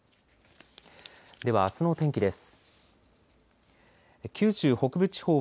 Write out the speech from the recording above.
では、あすの天気です。